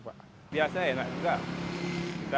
biasanya enak juga